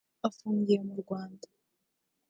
ufungiye mu Rwanda